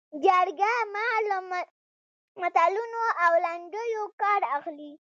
جرګه مار له متلونو او لنډیو کار اخلي